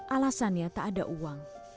alasannya tak ada uang